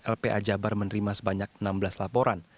lpa jabar menerima sebanyak enam belas laporan